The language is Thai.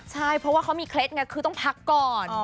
ใช่เพราะว่าเขามีเคล็ดไงคือต้องพักก่อน